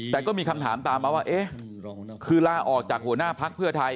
แต่ก็มีคำถามตามมาว่าเอ๊ะคือลาออกจากหัวหน้าพักเพื่อไทย